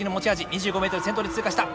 ２５ｍ先頭で通過した。